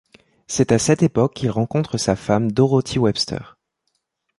C’est à cette époque qu’il rencontre sa femme Dorothy Webster.